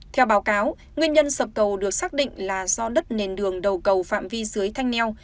theo báo cáo nguyên nhân sập cầu được xác định là do đất nền đường đầu cầu phạm vi dưới thanh neo